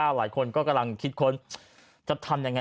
หลายคนก็กำลังคิดค้นจะทำยังไง